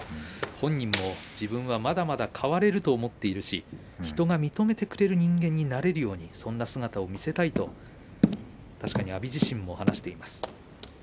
本人も自分はまだまだ変われると思っているし人が認めてくれる人間になれるように、そんな姿を見せたいと確かに阿炎自身も話しています。